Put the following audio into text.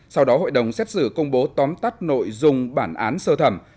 sau đó hội đồng xét xử công bố tóm tắt nội dung bản án sơ thẩm